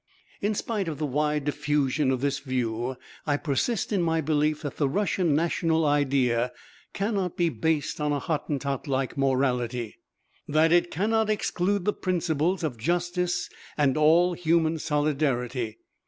In spite of the wide diffusion of this view, I persist in my belief that the Russian national idea cannot be based on a Hottentot like morality, that it cannot exclude the principles of justice and all human solidarity.